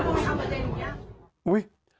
เธอเป็นแฟนเค้าจากเมื่อไหร่